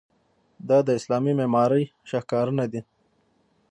دا د اسلامي معمارۍ شاهکارونه دي.